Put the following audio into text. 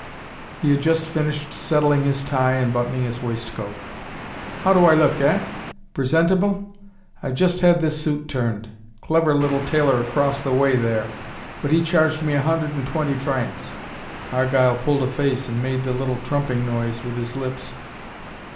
he had just finished settling his tie and buttoning his waistcoat. "How do I look, eh? Presentable? I've just had this suit turned. Clever little tailor across the way there. But he charged me a hundred and twenty francs." Argyle pulled a face, and made the little trumping noise with his lips.